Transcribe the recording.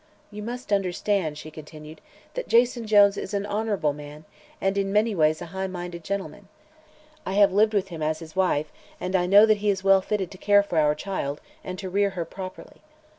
"You must understand," she continued, "that Jason Jones is an honorable man and in many ways a high minded gentleman. I have lived with him as his wife and I know that he is well fitted to care for our child and to rear her properly.